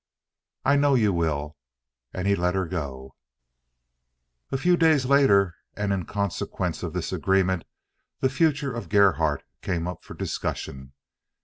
"I know you will." And he let her go. A few days later, and in consequence of this agreement, the future of Gerhardt came up for discussion.